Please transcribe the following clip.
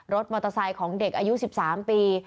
รถมอเตอร์ไซค์ของเด็กอายุ๑๓ปี